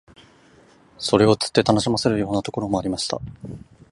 それを釣って楽しませるようなところもありました